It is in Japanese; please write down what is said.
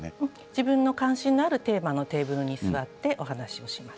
自分の関心のあるテーマのテーブルに座ってお話をします。